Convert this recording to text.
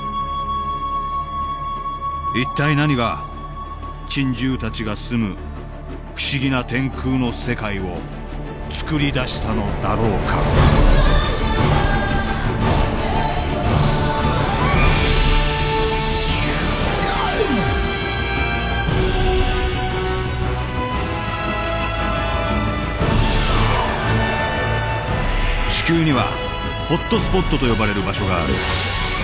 一体何が珍獣たちが住む不思議な天空の世界をつくり出したのだろうか地球にはホットスポットと呼ばれる場所がある。